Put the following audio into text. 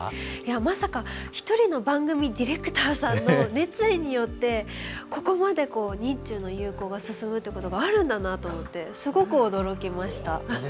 まさか１人の番組ディレクターさんの熱意によってここまで日中の友好が進むということがあるんだなと思ってすごく驚きました。